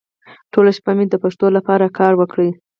ټوله شپه مې د پښتو لپاره کار وکړ.